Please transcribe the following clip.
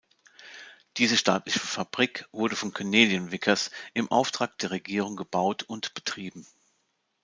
Diese staatliche Fabrik wurde von Canadian Vickers im Auftrag der Regierung gebaut und betrieben.